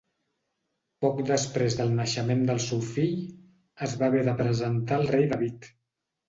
Poc després del naixement del seu fill, es va haver de presentar al rei David.